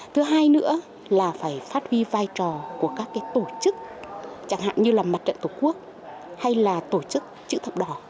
thứ hai nữa là phải phát huy vai trò của các tổ chức chẳng hạn như là mặt trận tổ quốc hay là tổ chức chữ thập đỏ